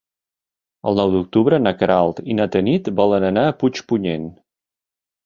El nou d'octubre na Queralt i na Tanit volen anar a Puigpunyent.